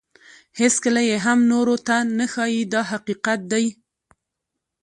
هیڅکله یې هم نورو ته نه ښایي دا حقیقت دی.